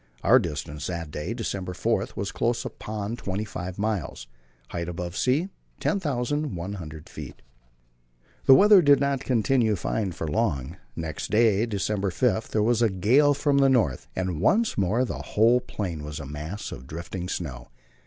Our distance that day (December 4) was close upon twenty five miles; height above the sea, 10,100 feet. The weather did not continue fine for long. Next day (December 5) there was a gale from the north, and once more the whole plain was a mass of drifting snow.